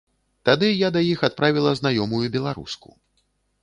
Тады я да іх адправіла знаёмую беларуску.